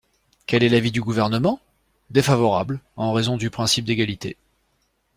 Quel est l’avis du Gouvernement ? Défavorable, en raison du principe d’égalité.